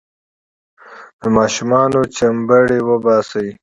د ماشومانو چمبړې وباسي.